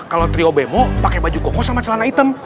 kalau trio bemo pake baju kokoh sama celana hitam